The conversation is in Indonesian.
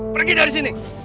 pergi dari sini